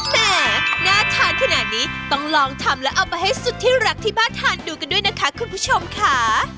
แหมน่าทานขนาดนี้ต้องลองทำแล้วเอาไปให้สุดที่รักที่บ้านทานดูกันด้วยนะคะคุณผู้ชมค่ะ